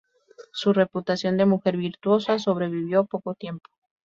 Su reputación de mujer virtuosa sobrevivió poco tiempo.